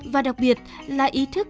và đặc biệt là ý thức